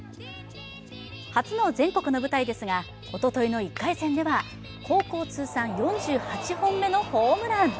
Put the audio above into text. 初の全国の舞台ですがおとといの１回戦では高校通算４８本目のホームラン。